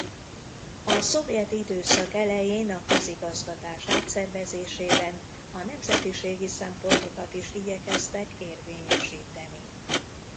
A szovjet időszak elején a közigazgatás átszervezésében a nemzetiségi szempontokat is igyekeztek érvényesíteni.